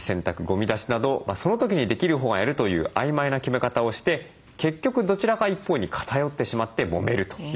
ごみ出しなどその時にできるほうがやるというあいまいな決め方をして結局どちらか一方に偏ってしまってもめるということがありうるそうです。